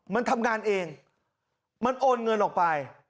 มันทำงานเองมันโอนเงินออกไป